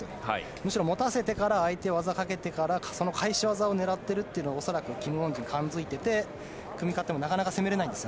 むしろ持たせてから相手が技をかけてからその返し技を狙っているのを恐らくキム・ウォンジンは勘付いていて組み勝ってもなかなか責められないんです。